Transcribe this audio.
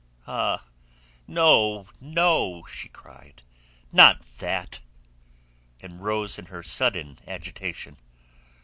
"Ah, no, no!" she cried. "Not that!" And rose in her sudden agitation.